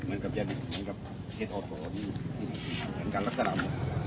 คนร้ายก็ได้ทำทีไปพูดคุยนะครับ